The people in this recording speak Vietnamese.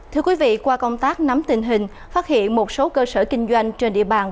thưa quý vị qua công tác nắm tình hình phát hiện một số cơ sở kinh doanh trên địa bàn